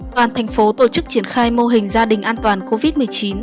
toàn thành phố tổ chức triển khai mô hình gia đình an toàn covid một mươi chín